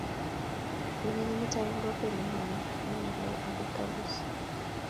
Menye Kimutai eng kokwet ne mining nemaloo ak Kipkabus